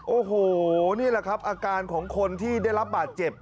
โอ้โหนี่แหละครับอาการของคนที่ได้รับบาดเจ็บ